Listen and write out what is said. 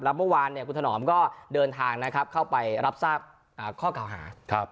เมื่อวานคุณถนอมก็เดินทางนะครับเข้าไปรับทราบข้อเก่าหา